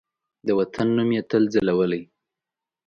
د وطن نوم یې تل ځلولی